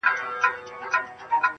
نور به خبري نه کومه، نور به چوپ اوسېږم,